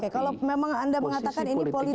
kalau memang anda mengatakan ini politik